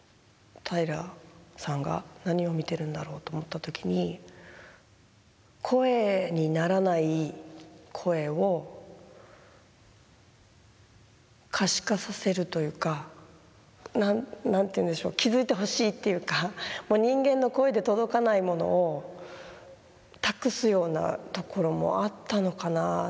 平良さんが何を見てるんだろうと思った時に何ていうんでしょう気付いてほしいっていうか人間の声で届かないものを託すようなところもあったのかなぁ。